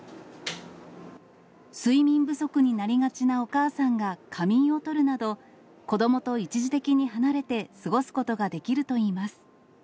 睡眠不足になりがちなお母さんが仮眠をとるなど、子どもと一時的に離れて過ごすことができるといいます。